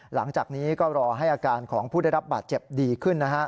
หลังจากนี้ก็รอให้อาการของผู้ได้รับบาดเจ็บดีขึ้นนะฮะ